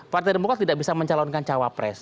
partai demokrat tidak bisa mencalonkan cawapres